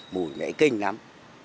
mùi mẹ kinh lắm